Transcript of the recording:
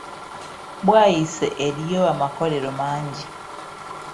Bwayiise eriyo amakolero mangi.